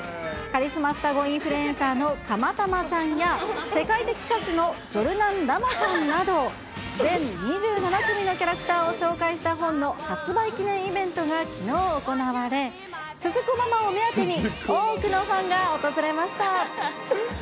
カリスマ双子インフルエンサーのカマタマちゃんや、世界的歌手のジョルナン・ラマさんなど、全２７組のキャラクターを紹介した本の発売記念イベントがきのう行われ、すず子ママを目当てに、多くのファンが訪れました。